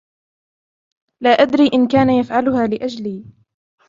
لا أدري إن كان ليفعلها لأجلي.